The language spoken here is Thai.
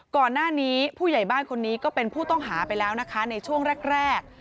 ก่อนหน้านี้ผู้ใหญ่บ้านคนนี้ก็เป็นผู้ต้องหาไปแล้วนะคะในช่วงแรก